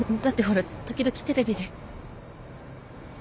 だってほら時々テレビで。